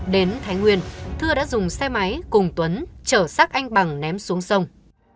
đến thái nguyên thưa đã dùng xe máy cùng tuấn trở xác anh bằng ném xuống sông